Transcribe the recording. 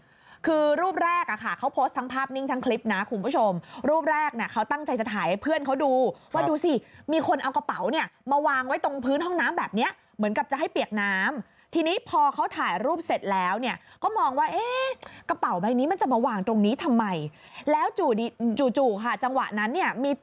คือรูปแรกอ่ะค่ะเขาโพสต์ทั้งภาพนิ่งทั้งคลิปนะคุณผู้ชมรูปแรกเนี่ยเขาตั้งใจจะถ่ายให้เพื่อนเขาดูว่าดูสิมีคนเอากระเป๋าเนี่ยมาวางไว้ตรงพื้นห้องน้ำแบบเนี้ยเหมือนกับจะให้เปียกน้ำทีนี้พอเขาถ่ายรูปเสร็จแล้วเนี่ยก็มองว่าเอ๊ะกระเป๋าใบนี้มันจะมาวางตรงนี้ทำไมแล้วจู่จู่จู่ค่ะจังหวะนั้นเนี่ยมี